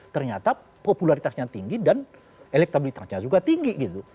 ternyata popularitasnya tinggi dan elektabilitasnya juga tinggi gitu